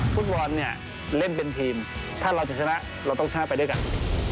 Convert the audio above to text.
ฟุตบอลเนี่ยเล่นเป็นทีมถ้าเราจะชนะเราต้องชนะไปด้วยกัน